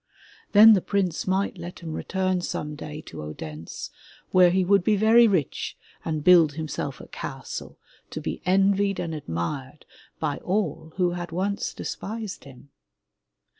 Then the prince might let him return some day to Odense, where he would be very rich and build himself a castle, to be envied and admired by all who had once despised him!